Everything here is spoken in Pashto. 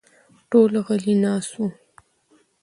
ټول غلي ناست وو.